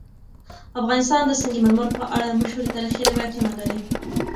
افغانستان د سنگ مرمر په اړه مشهور تاریخی روایتونه لري.